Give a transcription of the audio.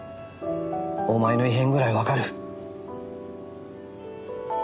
お前の異変ぐらいわかる。